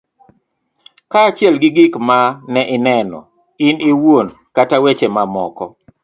kaachiel gi gik ma ne ineno in iwuon kata weche mamoko